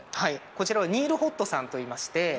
こちらはニール・ホッドさんといいまして。